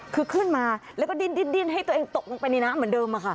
คือขึ้นมาแล้วก็ดิ้นให้ตัวเองตกลงไปในน้ำเหมือนเดิมค่ะ